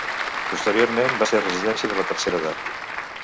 Posteriorment va ser residència de la tercera edat.